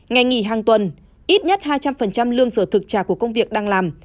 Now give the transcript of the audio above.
ngày nghỉ hàng tuần ít nhất hai trăm linh lương sở thực trả của công việc đang làm